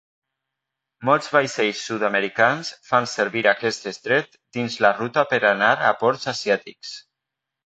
Molts vaixells sud-americans fan servir aquest estret dins la ruta per anar a ports asiàtics.